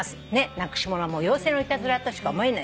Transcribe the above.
なくし物も妖精のいたずらとしか思えない。